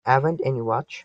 I haven't any watch.